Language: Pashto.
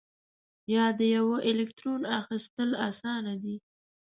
یا د یوه الکترون اخیستل آسان دي؟